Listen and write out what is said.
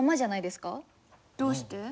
どうして？